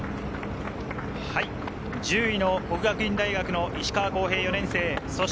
１０位の國學院大學の石川航平・４年生。